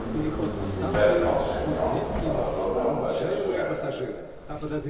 Rep el seu nom de la zona on va ser descoberta.